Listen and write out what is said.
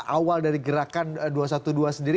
awal dari gerakan dua ratus dua belas sendiri